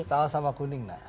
salah sama kuning